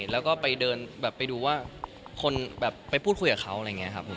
แล้วก็ไปเดินแบบไปดูว่าคนแบบไปพูดคุยกับเขาอะไรอย่างนี้ครับผม